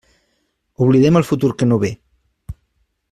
Oblidem el futur que no ve.